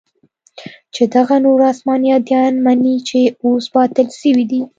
چې دغه نور اسماني اديان مني چې اوس باطل سوي دي.